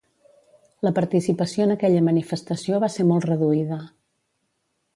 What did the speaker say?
La participació en aquella manifestació va ser molt reduïda.